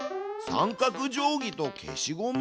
三角定規と消しゴム？